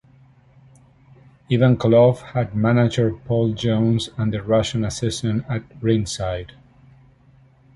Ivan Koloff had manager Paul Jones and The Russian Assassin at ringside.